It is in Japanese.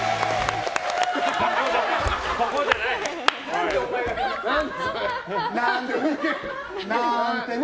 ここじゃない！なんてね！